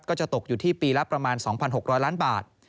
ก็จะตกอยู่ที่ปีละประมาณ๒๖๐๐ล้านบาท